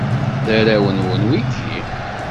D arraw-nwen wigi?